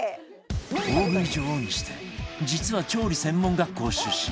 大食い女王にして実は調理専門学校出身